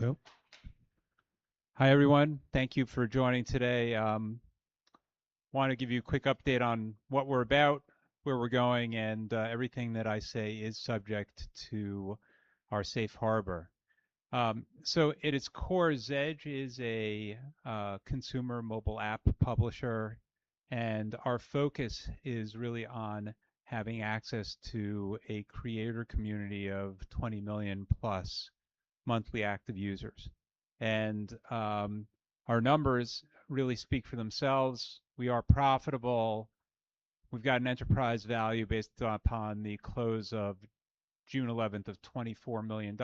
Hello. Hi, everyone. Thank you for joining today. Want to give you a quick update on what we're about, where we're going, and everything that I say is subject to our safe harbor. At its core, Zedge is a consumer mobile app publisher, and our focus is really on having access to a creator community of 20 million-plus monthly active users. Our numbers really speak for themselves. We are profitable. We've got an enterprise value based upon the close of June 11th of $24 million.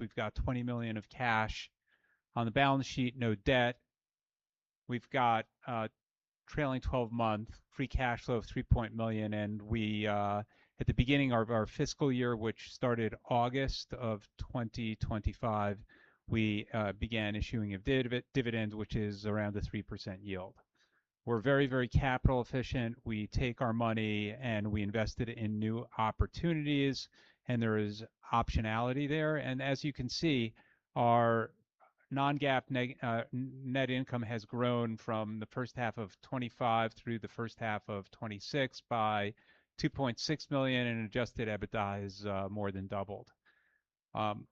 We've got $20 million of cash on the balance sheet, no debt. We've got a trailing 12-month free cash flow of $3 million, and at the beginning of our fiscal year, which started August of 2025, we began issuing a dividend, which is around a three percent yield. We're very capital efficient. We take our money and we invest it in new opportunities, and there is optionality there. As you can see, our non-GAAP net income has grown from the first half of 2025 through the first half of 2026 by $2.6 million, and adjusted EBITDA has more than doubled.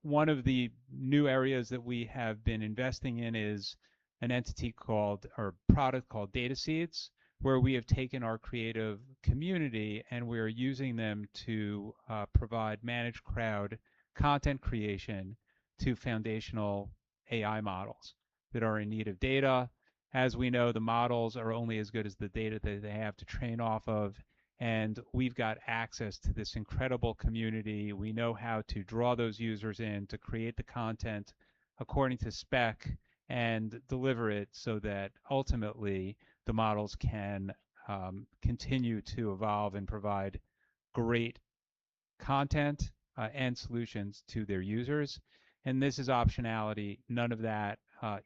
One of the new areas that we have been investing in is an entity called, or product called Data Seeds, where we have taken our creative community, and we are using them to provide managed crowd content creation to foundational AI models that are in need of data. As we know, the models are only as good as the data that they have to train off of, and we've got access to this incredible community. We know how to draw those users in to create the content according to spec and deliver it so that ultimately the models can continue to evolve and provide great content and solutions to their users. This is optionality. None of that,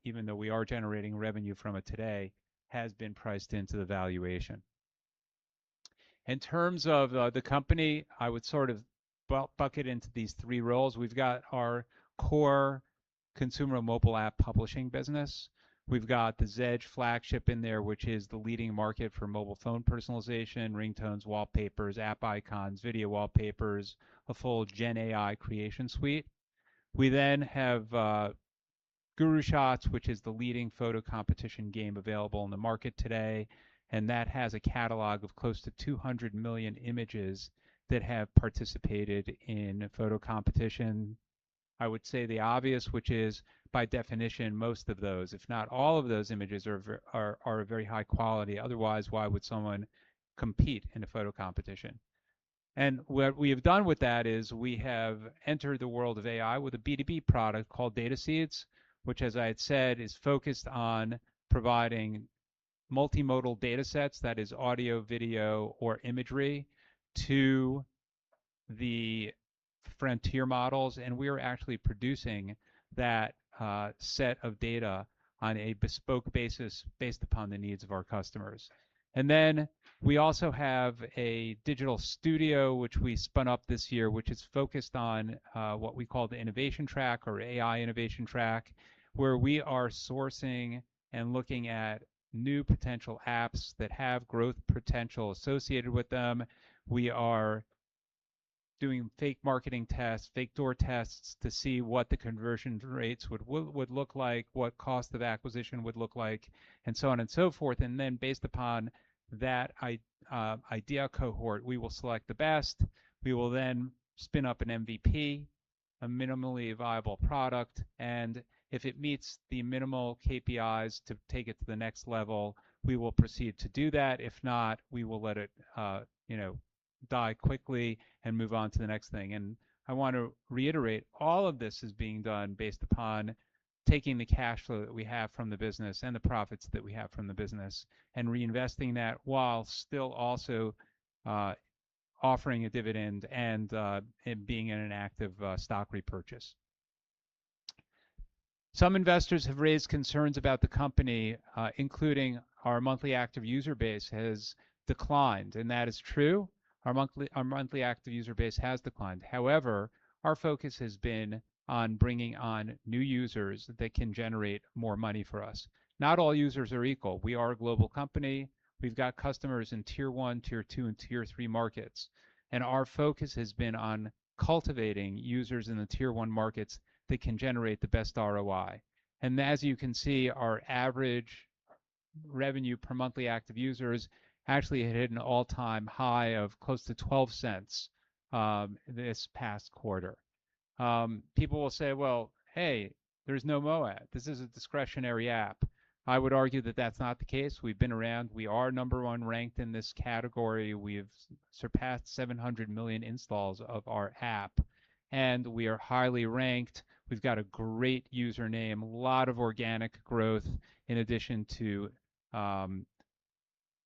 even though we are generating revenue from it today, has been priced into the valuation. In terms of the company, I would sort of bucket into these three roles. We've got our core consumer mobile app publishing business. We've got the Zedge flagship in there, which is the leading market for mobile phone personalization, ringtones, wallpapers, app icons, video wallpapers, a full gen AI creation suite. We then have GuruShots, which is the leading photo competition game available on the market today, and that has a catalog of close to 200 million images that have participated in a photo competition. I would say the obvious, which is, by definition, most of those, if not all of those images are of very high quality. Otherwise, why would someone compete in a photo competition? What we have done with that is we have entered the world of AI with a B2B product called Data Seeds, which as I had said, is focused on providing multimodal data sets, that is audio, video, or imagery, to the frontier models, and we are actually producing that set of data on a bespoke basis based upon the needs of our customers. We also have a digital studio, which we spun up this year, which is focused on what we call the innovation track or AI innovation track, where we are sourcing and looking at new potential apps that have growth potential associated with them. We are doing fake marketing tests, fake door tests to see what the conversion rates would look like, what cost of acquisition would look like, and so on and so forth. Based upon that idea cohort, we will select the best. We will then spin up an MVP, a minimally viable product, and if it meets the minimal KPIs to take it to the next level, we will proceed to do that. If not, we will let it die quickly and move on to the next thing. I want to reiterate, all of this is being done based upon taking the cash flow that we have from the business and the profits that we have from the business and reinvesting that while still also offering a dividend and being in an active stock repurchase. Some investors have raised concerns about the company, including our monthly active user base has declined, and that is true. Our monthly active user base has declined. However, our focus has been on bringing on new users that can generate more money for us. Not all users are equal. We are a global company. We've got customers in tier 1, tier 2, and tier 3 markets, and our focus has been on cultivating users in the tier 1 markets that can generate the best ROI. As you can see, our average revenue per monthly active user has actually hit an all-time high of close to $0.12 this past quarter. People will say, "Well, hey, there's no moat. This is a discretionary app." I would argue that that's not the case. We've been around. We are number one ranked in this category. We've surpassed 700 million installs of our app. We are highly ranked. We've got a great username, a lot of organic growth in addition to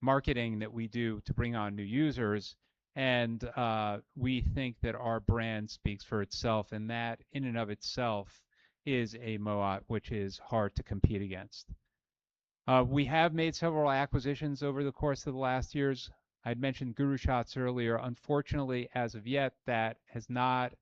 marketing that we do to bring on new users. We think that our brand speaks for itself, and that in and of itself is a moat which is hard to compete against. We have made several acquisitions over the course of the last years. I'd mentioned GuruShots earlier. Unfortunately, as of yet, that has not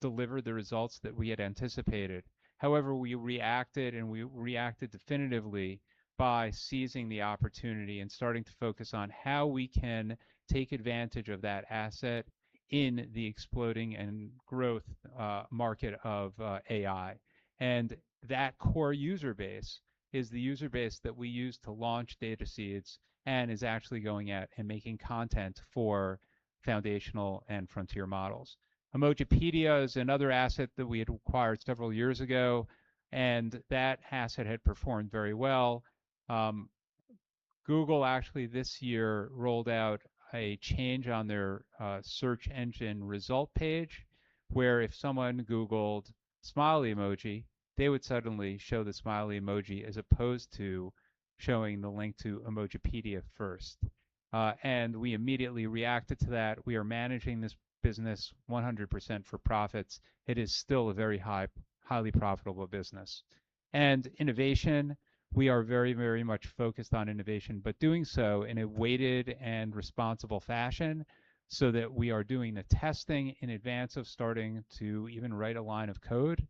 delivered the results that we had anticipated. However, we reacted, and we reacted definitively by seizing the opportunity and starting to focus on how we can take advantage of that asset in the exploding and growth market of AI. That core user base is the user base that we use to launch DataSeeds and is actually going out and making content for foundational and frontier models. Emojipedia is another asset that we had acquired several years ago. That asset had performed very well. Google actually this year rolled out a change on their search engine result page, where if someone googled smiley emoji, they would suddenly show the smiley emoji as opposed to showing the link to Emojipedia first. We immediately reacted to that. We are managing this business 100% for profits. It is still a very highly profitable business. Innovation, we are very much focused on innovation, but doing so in a weighted and responsible fashion so that we are doing the testing in advance of starting to even write a line of code.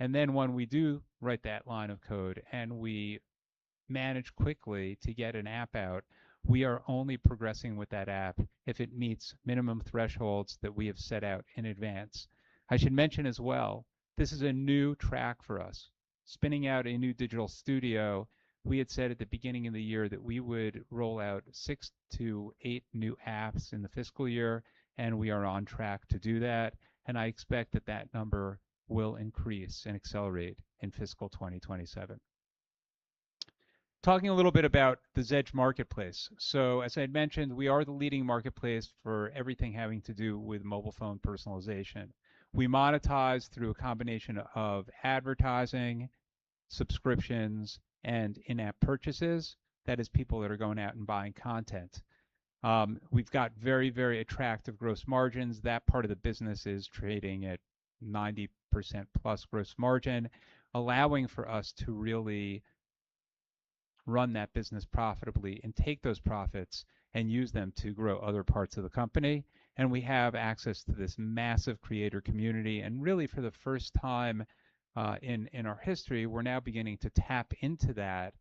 Then when we do write that line of code and we manage quickly to get an app out, we are only progressing with that app if it meets minimum thresholds that we have set out in advance. I should mention as well, this is a new track for us, spinning out a new digital studio. We had said at the beginning of the year that we would roll out six - eight new apps in the fiscal year, and we are on track to do that, and I expect that that number will increase and accelerate in fiscal 2027. Talking a little bit about the Zedge marketplace. As I'd mentioned, we are the leading marketplace for everything having to do with mobile phone personalization. We monetize through a combination of advertising, subscriptions, and in-app purchases. That is people that are going out and buying content. We've got very attractive gross margins. That part of the business is trading at 90%-plus gross margin, allowing for us to really run that business profitably and take those profits and use them to grow other parts of the company. We have access to this massive creator community, and really for the first time in our history, we're now beginning to tap into that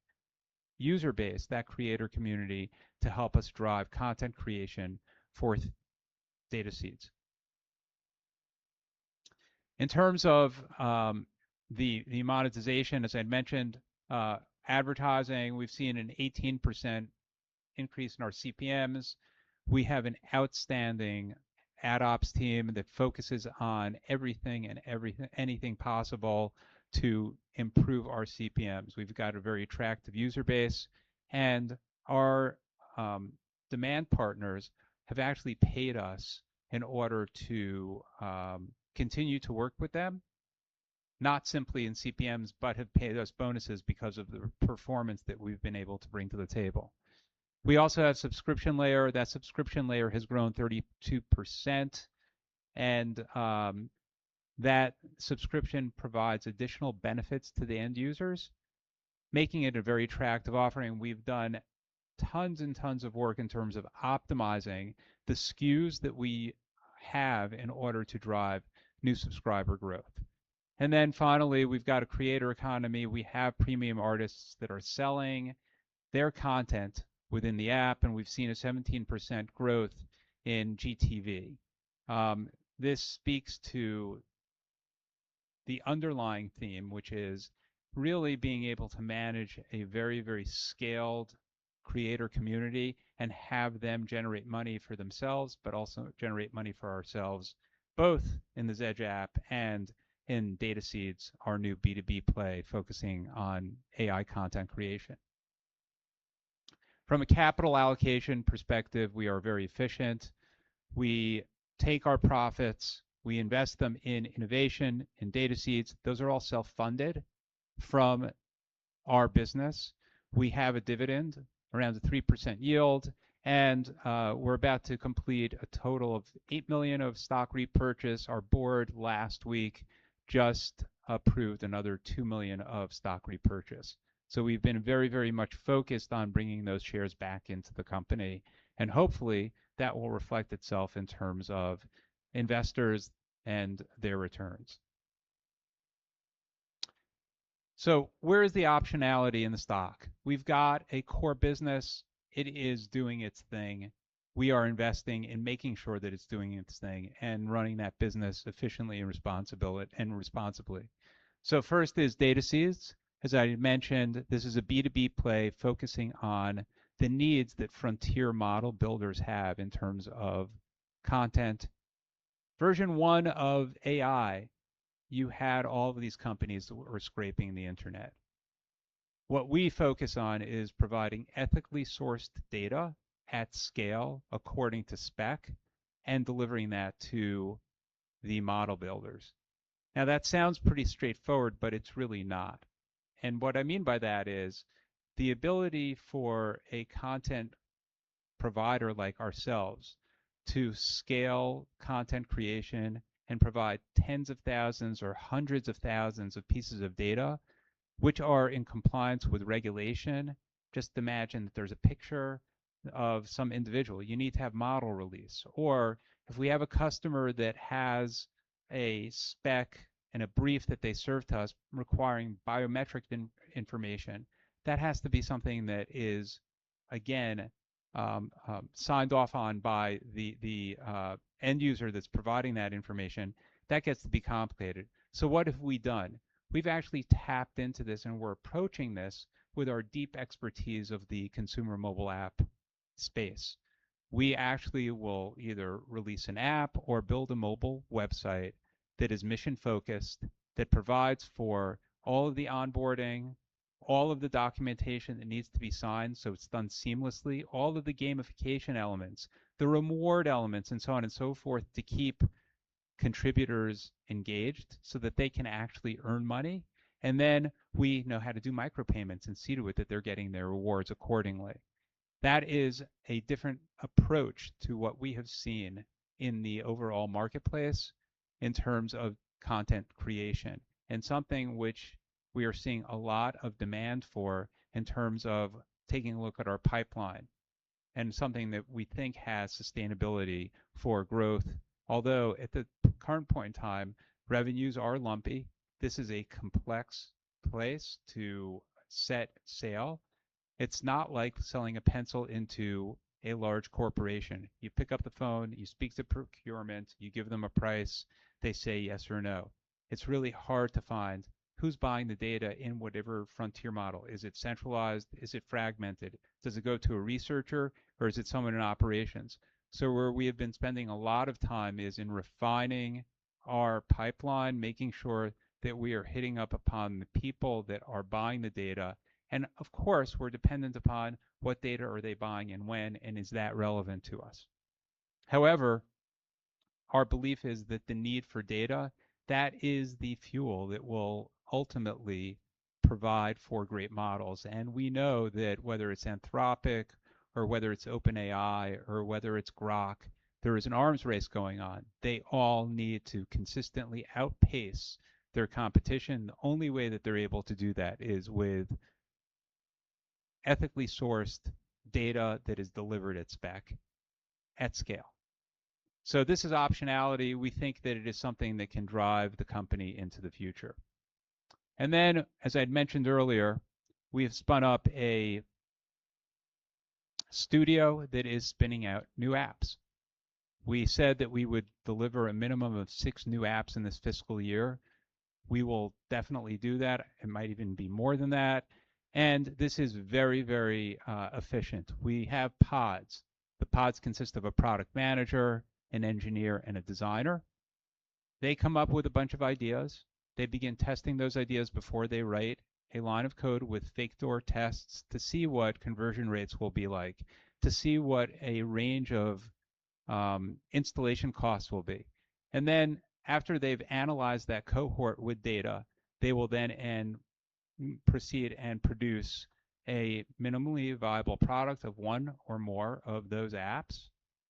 user base, that creator community, to help us drive content creation for DataSeeds. In terms of the monetization, as I'd mentioned, advertising, we've seen an 18% increase in our CPMs. We have an outstanding AdOps team that focuses on everything and anything possible to improve our CPMs. We've got a very attractive user base, and our demand partners have actually paid us in order to continue to work with them, not simply in CPMs, but have paid us bonuses because of the performance that we've been able to bring to the table. We also have subscription layer. That subscription layer has grown 32%, and that subscription provides additional benefits to the end users, making it a very attractive offering. We've done tons and tons of work in terms of optimizing the SKUs that we have in order to drive new subscriber growth. Finally, we've got a creator economy. We have premium artists that are selling their content within the app, and we've seen a 17% growth in GTV. This speaks to the underlying theme, which is really being able to manage a very scaled creator community and have them generate money for themselves, but also generate money for ourselves, both in the Zedge app and in DataSeeds, our new B2B play focusing on AI content creation. From a capital allocation perspective, we are very efficient. We take our profits, we invest them in innovation and DataSeeds. Those are all self-funded from our business. We have a dividend around a three percent yield, and we're about to complete a total of 8 million of stock repurchase. Our board last week just approved another 2 million of stock repurchase. We've been very much focused on bringing those shares back into the company, and hopefully, that will reflect itself in terms of investors and their returns. Where is the optionality in the stock? We've got a core business. It is doing its thing. We are investing in making sure that it's doing its thing and running that business efficiently and responsibly. First is DataSeeds. As I mentioned, this is a B2B play focusing on the needs that frontier model builders have in terms of content. Version one of AI, you had all of these companies that were scraping the internet. What we focus on is providing ethically sourced data at scale according to spec and delivering that to the model builders. That sounds pretty straightforward, but it's really not. What I mean by that is the ability for a content provider like ourselves to scale content creation and provide tens of thousands or hundreds of thousands of pieces of data which are in compliance with regulation. Just imagine that there's a picture of some individual, you need to have model release. Or if we have a customer that has a spec and a brief that they serve to us requiring biometric information, that has to be something that is, again, signed off on by the end user that's providing that information. That gets to be complicated. What have we done? We've actually tapped into this, and we're approaching this with our deep expertise of the consumer mobile app space. We actually will either release an app or build a mobile website that is mission-focused, that provides for all of the onboarding, all of the documentation that needs to be signed so it's done seamlessly, all of the gamification elements, the reward elements, and so on and so forth, to keep contributors engaged so that they can actually earn money. Then we know how to do micropayments and see to it that they're getting their rewards accordingly. That is a different approach to what we have seen in the overall marketplace in terms of content creation, and something which we are seeing a lot of demand for in terms of taking a look at our pipeline, and something that we think has sustainability for growth. Although at the current point in time, revenues are lumpy. This is a complex place to set sail. It's not like selling a pencil into a large corporation. You pick up the phone, you speak to procurement, you give them a price, they say yes or no. It's really hard to find who's buying the data in whatever frontier model. Is it centralized? Is it fragmented? Does it go to a researcher, or is it someone in operations? Where we have been spending a lot of time is in refining our pipeline, making sure that we are hitting up upon the people that are buying the data, and of course, we're dependent upon what data are they buying and when, and is that relevant to us. However, our belief is that the need for data, that is the fuel that will ultimately provide for great models. We know that whether it's Anthropic or whether it's OpenAI or whether it's Grok, there is an arms race going on. They all need to consistently outpace their competition. The only way that they're able to do that is with ethically sourced data that is delivered at spec, at scale. This is optionality. We think that it is something that can drive the company into the future. Then, as I'd mentioned earlier, we have spun up a studio that is spinning out new apps. We said that we would deliver a minimum of six new apps in this fiscal year. We will definitely do that. It might even be more than that. This is very, very efficient. We have pods. The pods consist of a product manager, an engineer, and a designer. They come up with a bunch of ideas. They begin testing those ideas before they write a line of code with fake door tests to see what conversion rates will be like, to see what a range of installation costs will be. After they've analyzed that cohort with data, they will then proceed and produce a minimally viable product of one or more of those apps,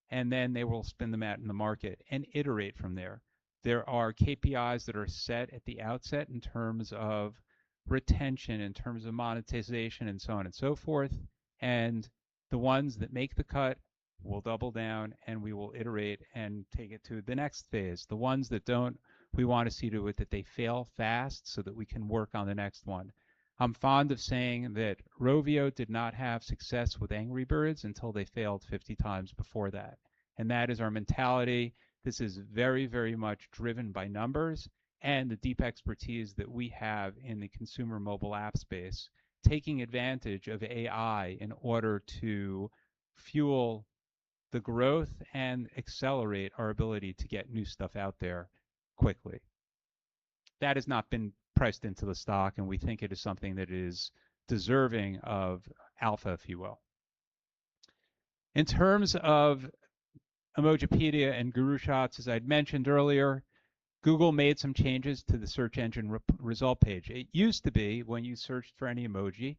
and then they will spin them out in the market and iterate from there. There are KPIs that are set at the outset in terms of retention, in terms of monetization, and so on and so forth. The ones that make the cut, we'll double down, and we will iterate and take it to the next phase. The ones that don't, we want to see to it that they fail fast so that we can work on the next one. I'm fond of saying that Rovio did not have success with Angry Birds until they failed 50x before that. That is our mentality. This is very, very much driven by numbers and the deep expertise that we have in the consumer mobile app space, taking advantage of AI in order to fuel the growth and accelerate our ability to get new stuff out there quickly. That has not been priced into the stock, and we think it is something that is deserving of alpha, if you will. In terms of Emojipedia and GuruShots, as I'd mentioned earlier, Google made some changes to the search engine result page. It used to be when you searched for any emoji,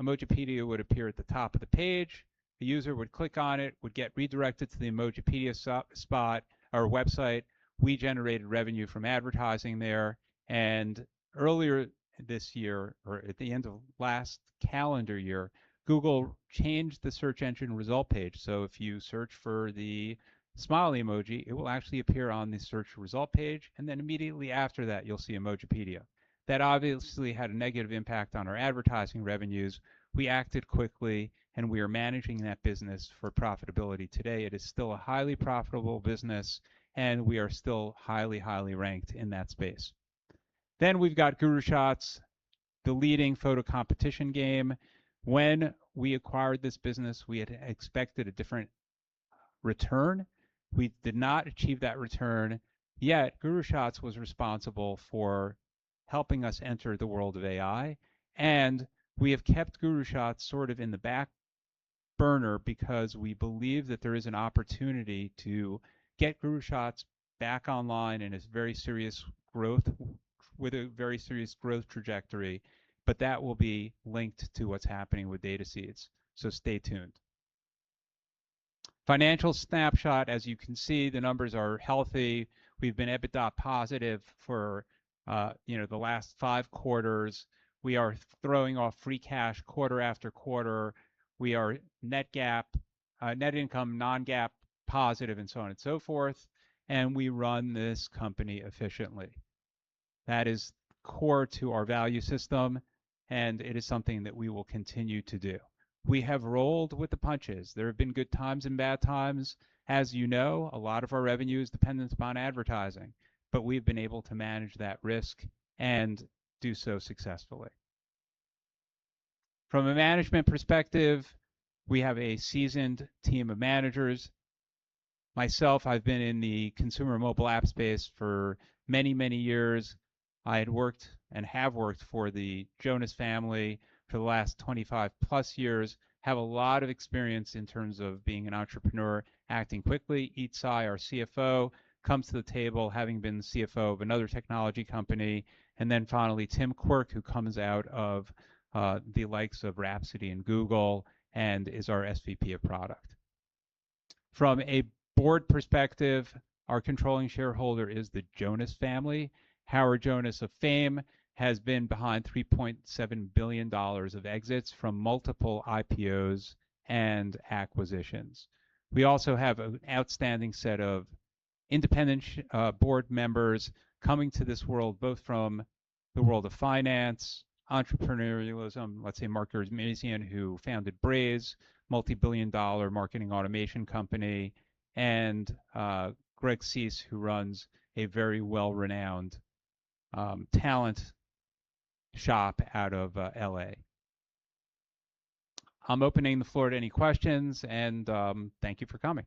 Emojipedia would appear at the top of the page. The user would click on it, would get redirected to the Emojipedia spot or website. We generated revenue from advertising there. Earlier this year, or at the end of last calendar year, Google changed the search engine result page. If you search for the smiley emoji, it will actually appear on the search result page, and then immediately after that, you'll see Emojipedia. That obviously had a negative impact on our advertising revenues. We acted quickly, and we are managing that business for profitability today. It is still a highly profitable business, and we are still highly ranked in that space. Then we've got GuruShots, the leading photo competition game. When we acquired this business, we had expected a different return. We did not achieve that return, yet GuruShots was responsible for helping us enter the world of AI. We have kept GuruShots sort of in the back burner because we believe that there is an opportunity to get GuruShots back online with a very serious growth trajectory, but that will be linked to what's happening with DataSeeds. Stay tuned. Financial snapshot. As you can see, the numbers are healthy. We've been EBITDA positive for the last five quarters. We are throwing off free cash quarter after quarter. We are net income non-GAAP positive, and so on and so forth. We run this company efficiently. That is core to our value system, and it is something that we will continue to do. We have rolled with the punches. There have been good times and bad times. As you know, a lot of our revenue is dependent upon advertising, but we've been able to manage that risk and do so successfully. From a management perspective, we have a seasoned team of managers. Myself, I've been in the consumer mobile app space for many, many years. I had worked, and have worked, for the Jonas family for the last 25-plus years, have a lot of experience in terms of being an entrepreneur, acting quickly. Yi Tsai, our CFO, comes to the table having been the CFO of another technology company. Finally, Tim Quirk, who comes out of the likes of Rhapsody and Google and is our SVP of Product. From a board perspective, our controlling shareholder is the Jonas family. Howard Jonas of Fame has been behind $3.7 billion of exits from multiple IPOs and acquisitions. We also have an outstanding set of independent board members coming to this world, both from the world of finance, entrepreneurialism, let's say Mark Ghermezian, who founded Braze, multibillion-dollar marketing automation company, and Greg Suess, who runs a very well-renowned talent shop out of L.A. I'm opening the floor to any questions. Thank you for coming.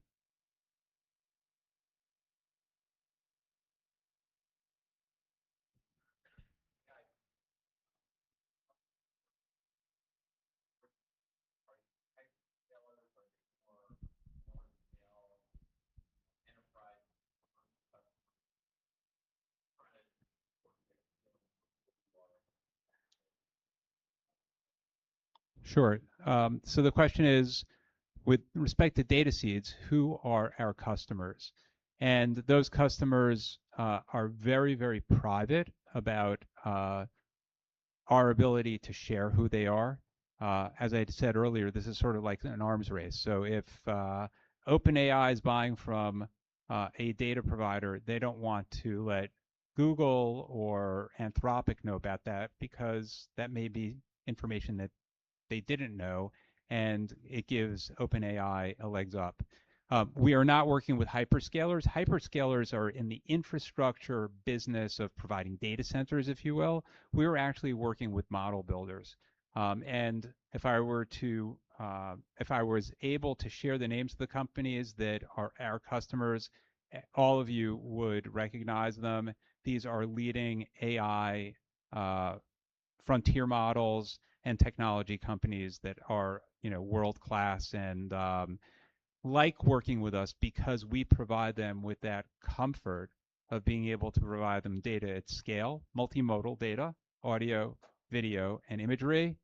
Sure. The question is, with respect to DataSeeds, who are our customers? Those customers are very, very private about our ability to share who they are. As I said earlier, this is sort of like an arms race. If OpenAI is buying from a data provider, they don't want to let Google or Anthropic know about that because that may be information that they didn't know, and it gives OpenAI a legs up. We are not working with hyperscalers. Hyperscalers are in the infrastructure business of providing data centers, if you will. We are actually working with model builders. If I was able to share the names of the companies that are our customers, all of you would recognize them. These are leading AI frontier models and technology companies that are world-class and like working with us because we provide them with that comfort of being able to provide them data at scale, multimodal data, audio, video, and imagery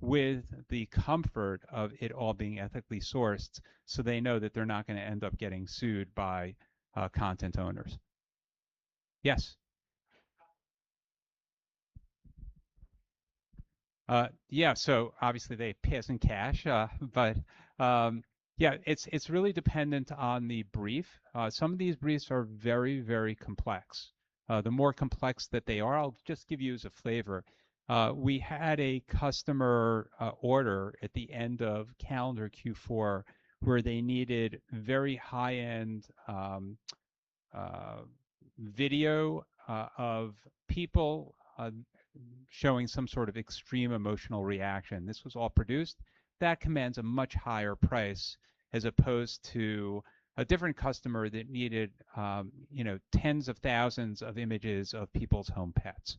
with the comfort of it all being ethically sourced so they know that they're not going to end up getting sued by content owners. Yes. Yeah. Obviously, they pay us in cash. Yeah, it's really dependent on the brief. Some of these briefs are very, very complex. The more complex that they are, I'll just give you as a flavor. We had a customer order at the end of calendar Q4 where they needed very high-end video of people showing some sort of extreme emotional reaction. This was all produced. That commands a much higher price as opposed to a different customer that needed tens of thousands of images of people's home pets.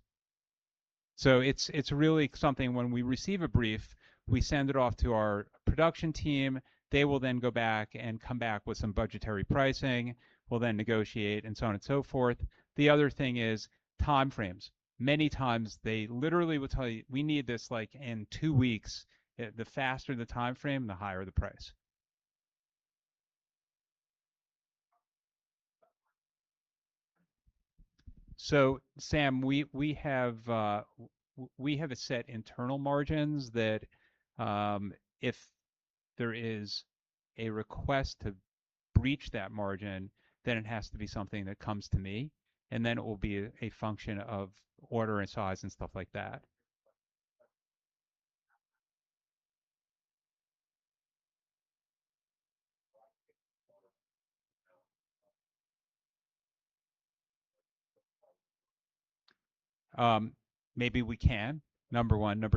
It's really something when we receive a brief, we send it off to our production team, they will then go back and come back with some budgetary pricing. We'll then negotiate and so on and so forth. The other thing is time frames. Many times they literally will tell you, "We need this in two weeks." The faster the time frame, the higher the price. Sam, we have a set internal margins that if there is a request to breach that margin, then it has to be something that comes to me, then it will be a function of order and size and stuff like that. Maybe we can, number one.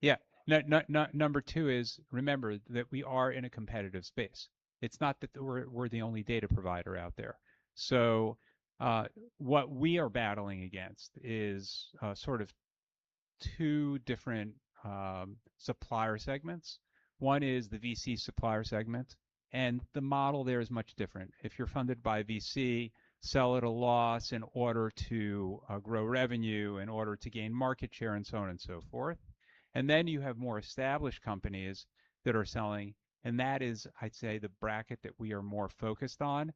Yeah. Number two is remember that we are in a competitive space. It's not that we're the only data provider out there. What we are battling against is sort of two different supplier segments. One is the VC supplier segment, and the model there is much different. If you're funded by VC, sell at a loss in order to grow revenue, in order to gain market share, and so on and so forth. Then you have more established companies that are selling, and that is, I'd say, the bracket that we are more focused on.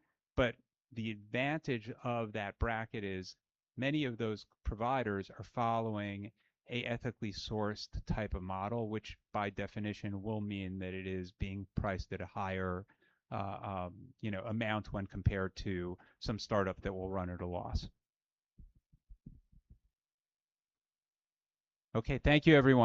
The advantage of that bracket is many of those providers are following an ethically sourced type of model, which by definition will mean that it is being priced at a higher amount when compared to some startup that will run at a loss. Okay. Thank you everyone.